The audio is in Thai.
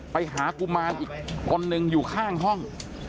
หากุมารอีกคนนึงอยู่ข้างห้อง